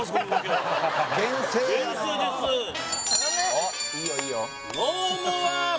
頼むいいよいいよ